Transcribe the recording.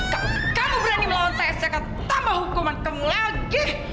kamu berani melawan saya saya tambah hukuman kamu lagi